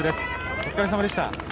お疲れさまでした。